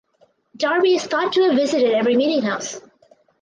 Darby is thought to have visited every meeting house.